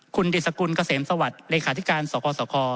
คุณดิสกุลเกษมสวัสดิ์เลขาธิการสคสค